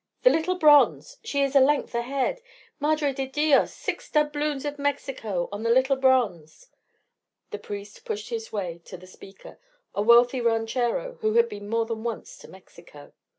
"The little bronze! She is a length ahead! Madre de dios! Six doubloons of Mexico on the little bronze!" The priest pushed his way to the speaker, a wealthy ranchero who had been more than once to Mexico.